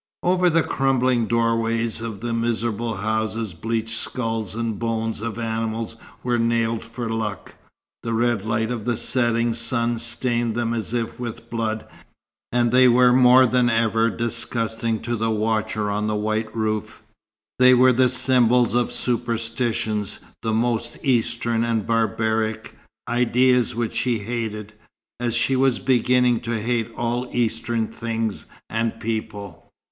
Over the crumbling doorways of the miserable houses bleached skulls and bones of animals were nailed for luck. The red light of the setting sun stained them as if with blood, and they were more than ever disgusting to the watcher on the white roof. They were the symbols of superstitions the most Eastern and barbaric, ideas which she hated, as she was beginning to hate all Eastern things and people.